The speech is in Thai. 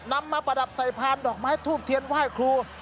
นำมาประดับใส่พานดอกไม้ทูบเทียนไหว้ครู